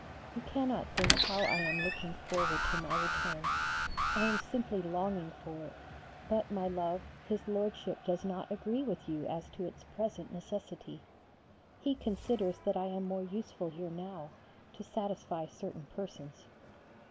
You cannot think how I am looking forward to my return I am simply longing for it; but, my love, His Lordship does not agree with you as to its present necessity; he considers I am more useful here now, to satisfy certain persons.